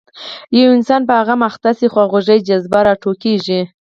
یو انسان په غم اخته شي خواخوږۍ جذبه راوټوکېږي.